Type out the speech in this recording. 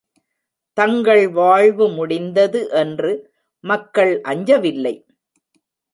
தங்கள் வாழ்வு முடிந்தது என்று மக்கள் அஞ்சவில்லை.